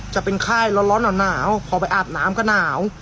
จะเป็นไข้ร้อนร้อนอ่ะหนาวพอไปอาบน้ำก็หนาว